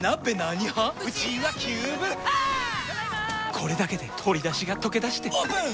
これだけで鶏だしがとけだしてオープン！